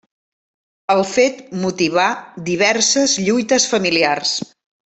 El fet motivà diverses lluites familiars.